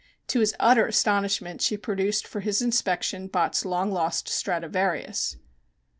To his utter astonishment she produced for his inspection Bott's long lost Stradivarius.